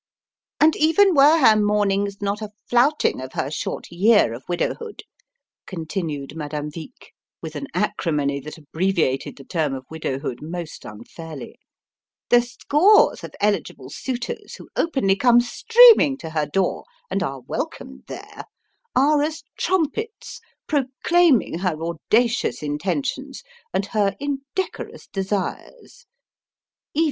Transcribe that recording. "And even were her mournings not a flouting of her short year of widowhood," continued Madame Vic, with an acrimony that abbreviated the term of widowhood most unfairly "the scores of eligible suitors who openly come streaming to her door, and are welcomed there, are as trumpets proclaiming her audacious intentions and her indecorous desires.